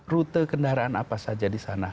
rute kendaraan apa saja di sana